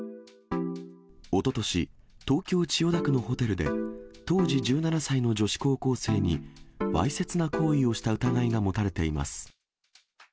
おととし、東京・千代田区のホテルで、当時１７歳の女子高校生に、わいせつな行為をした疑いが持たれています。